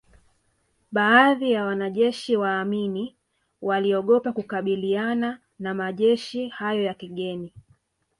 Baadhi wa wanajeshi wa Amin waliogopa kukabiliana na majeshi hayo ya kigeni